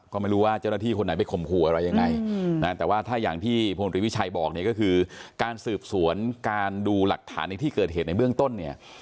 ก็ไม่รู้ว่าเจ้าหน้าที่คนไหนไปข่มขู่อะไรยังไงนะแต่ว่าถ้าอย่างที่พลตรีวิชัยบอกเนี่ยก็คือการสืบสวนการดูหลักฐานในที่เกิดเหตุในเบื้องต้นเนี่ย